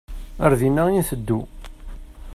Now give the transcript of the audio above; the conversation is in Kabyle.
Ar dinna i nteddu.